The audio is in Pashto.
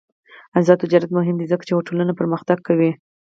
آزاد تجارت مهم دی ځکه چې هوټلونه پرمختګ کوي.